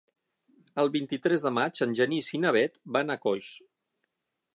El vint-i-tres de maig en Genís i na Bet van a Coix.